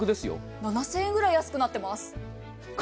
７０００円ぐらい安くなってます。